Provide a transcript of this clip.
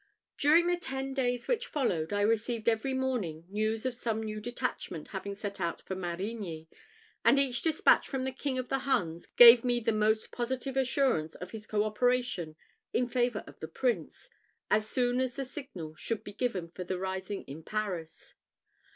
During the ten days which followed, I received every morning news of some new detachment having set out for Marigny; and each despatch from the King of the Huns gave me the most positive assurance of his co operation in favour of the Prince, as soon as a signal should be given for the rising in Paris.